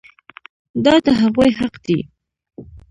دا د هغوی حق دی.